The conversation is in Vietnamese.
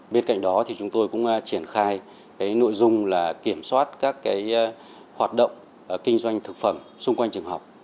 bên cạnh đó thì chúng tôi cũng triển khai nội dung kiểm soát các hoạt động kinh doanh thực phẩm xung quanh trường học